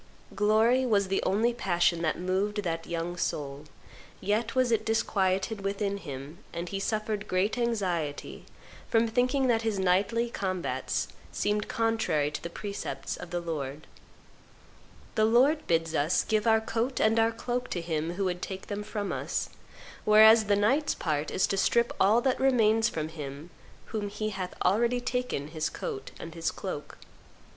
Glory was the only passion that moved that young soul; yet was it disquieted within him, and he suffered great anxiety from thinking that his knightly combats seemed contrary to the precepts of the Lord. The Lord bids us give our coat and our cloak to him who would take them from us; whereas the knight's part is to strip all that remains from him from whom he hath already taken his coat and his cloak.